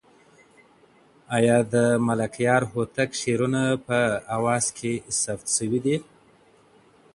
آیا د ملکیار هوتک شعرونه په اواز کې ثبت شوي دي؟